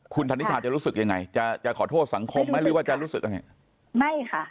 คุณธนิชาจะรู้สึกยังไงจะจะขอโทษสังคมไหมหรือว่าจะรู้สึกยังไงไม่ค่ะ